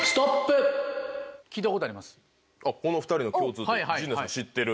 この２人の共通点。